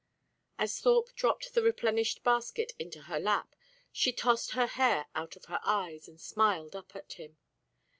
As Thorpe dropped the replenished basket into her lap, she tossed her hair out of her eyes, and smiled up at him.